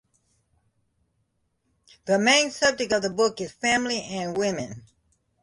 The main subject of the book is family and women.